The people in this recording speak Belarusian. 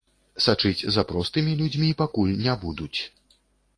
Сачыць за простымі людзьмі пакуль не будуць.